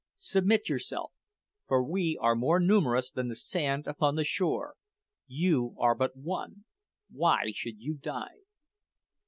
Submit yourself, for we are more numerous than the sand upon the shore. You are but one: why should you die?"